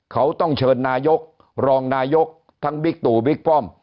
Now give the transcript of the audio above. เขาต้องเชิญนายกรองนายกทั้งบิ๊กตู่บิ๊กป้อม